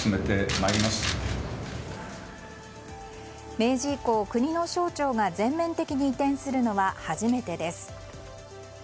明治以降、国の省庁が全面的に移転するのは初めてです。